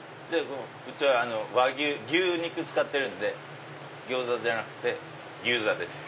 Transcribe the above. うちは和牛牛肉使ってるんでギョーザじゃなくてぎゅうざです。